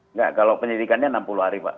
enggak kalau penyidikannya enam puluh hari pak